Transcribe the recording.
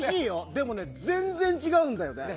でもね、全然違うんだよね。